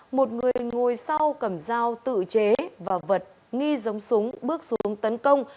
một người ngồi sau cầm dao tự chế và vật nghi giống súng bước xuống tấn công